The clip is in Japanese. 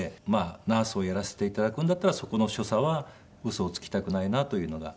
ナースをやらせて頂くんだったらそこの所作はウソをつきたくないなというのがありました。